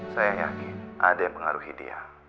saya yakin ada yang mengaruhi dia